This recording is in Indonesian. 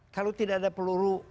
kalau tidak ada peluru